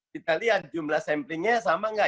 kita lihat jumlah samplingnya sama nggak